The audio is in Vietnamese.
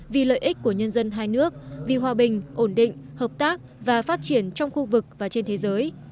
vì lợi ích của nhân dân hai nước vì hòa bình ổn định hợp tác và phát triển trong khu vực và trên thế giới